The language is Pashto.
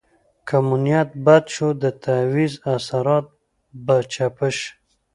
که مو نیت بد شو د تعویض اثرات به چپه شي.